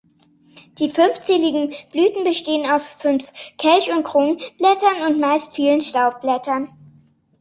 Die fünfzähligen Blüten bestehen aus fünf Kelch- und Kronblättern und meist vielen Staubblättern.